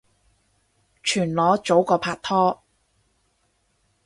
全裸早過拍拖